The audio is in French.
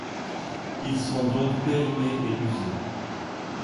Ils sont donc périmés et usés.